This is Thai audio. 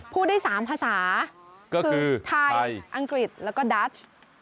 พูดได้๓ภาษาก็คือไทยอังกฤษแล้วก็ดัช